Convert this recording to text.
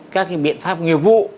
các biện pháp nghiệp vụ